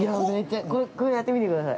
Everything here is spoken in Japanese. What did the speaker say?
◆やってみてください。